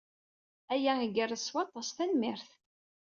Aya igerrez s waṭas, tanemmirt.